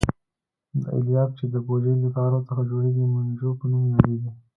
دا الیاف چې د بوجۍ له تارو څخه جوړېږي مونجو په نوم یادیږي.